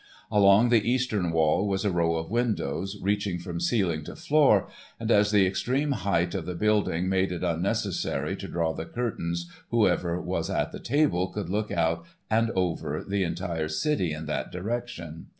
Along the eastern wall was a row of windows reaching from ceiling to floor, and as the extreme height of the building made it unnecessary to draw the curtains whoever was at the table could look out and over the entire city in that direction.